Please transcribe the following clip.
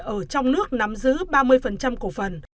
ở trong nước nắm giữ ba mươi cổ phần